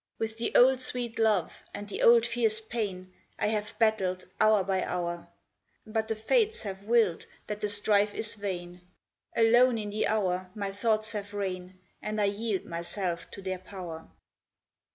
With the old sweet love and the old fierce pain I have battled hour by hour; But the fates have willed that the strife is vain. Alone in the hour my thoughts have reign, And I yield myself to their power.